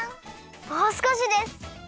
もうすこしです！